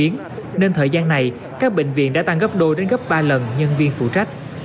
nên thời gian này các bệnh viện đã tăng gấp đôi đến gấp ba lần nhân viên phụ trách